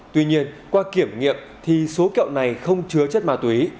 tuy nhiên qua kiểm nghiệm thì số kẹo này không chứa chất ma túy